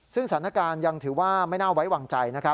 ซึ่งสถานการณ์ยังถือว่าไม่น่าไว้วางใจ